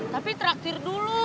tapi traktir dulu